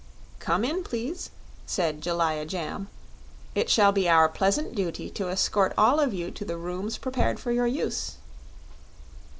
"Come in, please," said Jellia Jamb; "it shall be our pleasant duty to escort all of you to the rooms prepared for your use."